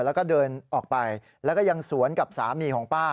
แล้วก็เดินออกไปแล้วก็ยังสวนกับสามีของป้า